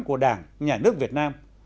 của đảng nhà nước việt nam